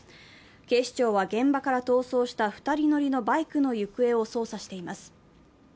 警視庁は現場から逃走した２人乗りのバイクの行方を捜査しています。